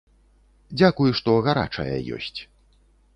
Дзякуй, што гарачая ёсць.